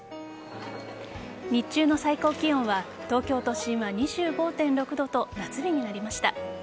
日中の最高気温は東京都心は２５．６度と夏日になりました。